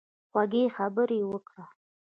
خوږې خبرې وکړه.